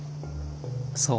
そう？